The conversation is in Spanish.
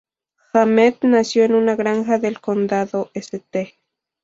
Hammett nació en una granja del Condado St.